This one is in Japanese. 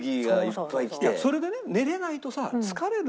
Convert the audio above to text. それでね寝られないとさ疲れる